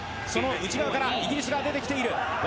内側からイギリスが出ている。